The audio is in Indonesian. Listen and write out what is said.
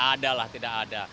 adalah tidak ada